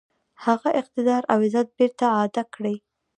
هغه اقتدار او عزت بیرته اعاده کړي.